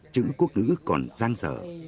chữ quốc ngữ còn gian dở